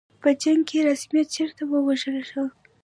په جنګ کې رستم چېرته ووژل شو.